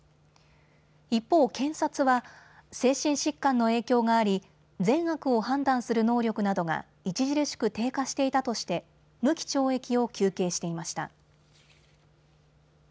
一方、検察は精神疾患の影響があり善悪を判断する能力などが著しく低下していたとして無期懲役を求刑していました。